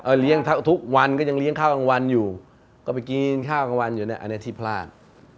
เลี้ยงทุกวันก็ยังเลี้ยงข้าวกลางวันอยู่ก็ไปกินข้าวกลางวันอยู่เนี่ยอันนี้ที่พลาด